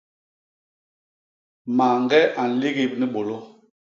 Mañge a nligip ni bôlô.